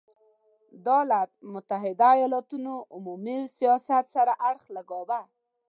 دا له متحدو ایالتونو عمومي سیاست سره اړخ لګاوه.